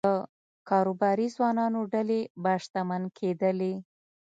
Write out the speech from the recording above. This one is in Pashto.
د کاروباري ځوانانو ډلې به شتمن کېدلې